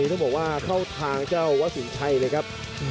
ต้องบอกว่าเข้าทางเจ้าวัดสินชัยเลยครับ